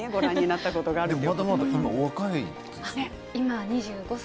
まだまだお若いですよね。